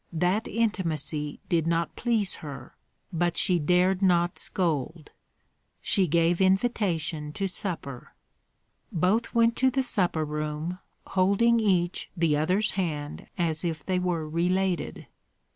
That intimacy did not please her, but she dared not scold. She gave invitation to supper. Both went to the supper room, holding each the other's hand as if they were related.